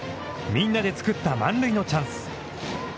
みんなで作った満塁のチャンス。